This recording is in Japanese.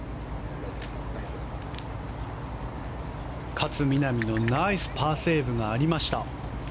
勝みなみのナイスパーセーブがありました。